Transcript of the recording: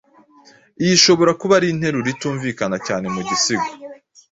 Iyi ishobora kuba ari interuro itumvikana cyane mu gisigo